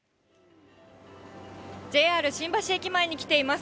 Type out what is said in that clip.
ＪＲ新橋駅前に来ています。